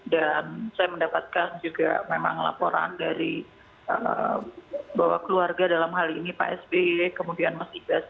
dan saya mendapatkan juga memang laporan dari bahwa keluarga dalam hal ini pak sby kemudian masih bas